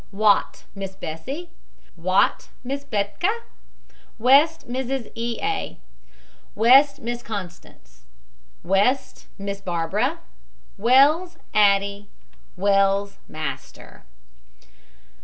WATT, MISS BESSIE. WATT, MISS BERTHA. WEST, MRS. E. A. WEST, MISS CONSTANCE. WEST, MISS BARBARA. WELLS, ADDIE. WELLS, MASTER.